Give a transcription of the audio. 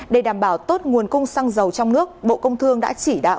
để đảm bảo tốt nguồn cung xăng dầu trong nước bộ công thương đã chỉ đạo